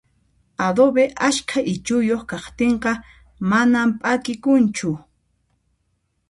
Adobe ashka ichuyuq kaqtinqa manan p'akikunchu